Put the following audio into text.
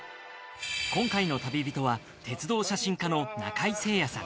今回の旅人は鉄道写真家の中井精也さん。